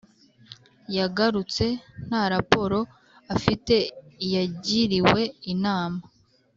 yagarutse nta raporo afite Yagiriwe inama